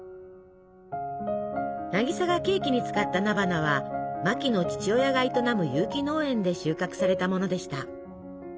渚がケーキに使った菜花はマキの父親が営む有機農園で収穫されたものでした。